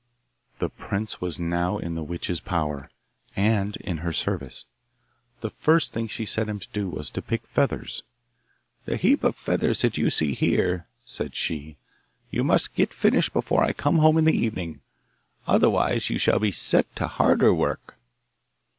The prince was now in the witch's power, and in her service. The first thing she set him to was to pick feathers. 'The heap of feathers that you see here,' said she, 'you must get finished before I come home in the evening, otherwise you shall be set to harder work.